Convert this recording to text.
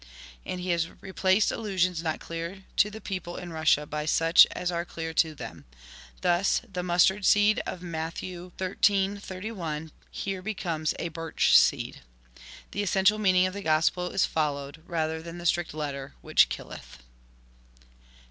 And he has replaced allusions not clear to the people in Russia by such as are clear to them : thus the " mustard seed " of Matthew xiii. 31 here becomes a "birch seed." The es sential meaning of the Gospel is followed, rather than the strict letter, " which killeth."